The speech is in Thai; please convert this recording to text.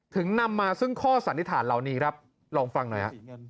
นำมาซึ่งข้อสันนิษฐานเหล่านี้ครับลองฟังหน่อยฮะ